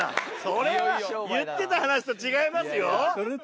それは言ってた話と違いますよ。